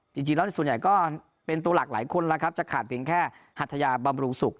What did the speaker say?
จริงแล้วส่วนใหญ่ก็เป็นตัวหลักหลายคนแล้วครับจะขาดเพียงแค่หัทยาบำรุงสุข